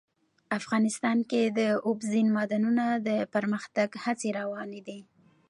افغانستان کې د اوبزین معدنونه د پرمختګ هڅې روانې دي.